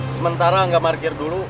sementara gak markir dulu